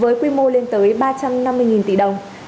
với quy mô lên tới ba trăm năm mươi tỷ đồng